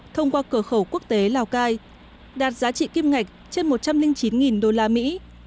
thông qua cửa khẩu quốc tế lào cai đạt giá trị kim ngạch trên một trăm linh chín đô la mỹ